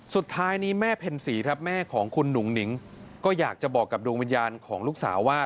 สุดท้ายนี้แม่เพ็ญศรีครับแม่ของคุณหนุ่งหนิงก็อยากจะบอกกับดวงวิญญาณของลูกสาวว่า